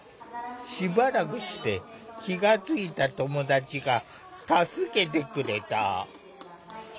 しばらくして気が付いた友達が助けてくれた。